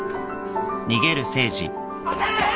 待て！